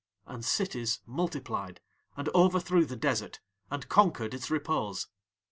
"And cities multiplied, and overthrew the desert and conquered its repose.